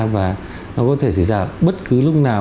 và nó có thể xảy ra bất cứ lúc nào